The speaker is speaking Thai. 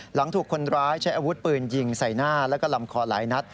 หลังถูกคนร้ายใช้อาวุธปืนยิงใส่หน้าแล้วก็ลำคอหลายนัด